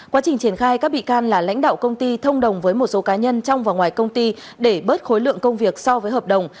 quá trình triển khai các bị can là lãnh đạo công ty thông đồng với một số cá nhân trong và ngoài công ty để bớt khối lượng công việc so với hợp đồng